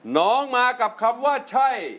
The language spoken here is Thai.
น้องมากับคำว่าใช่